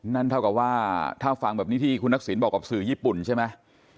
นั่นเท่ากับว่าถ้าฟังแบบนี้ที่คุณทักษิณบอกกับสื่อญี่ปุ่นใช่ไหม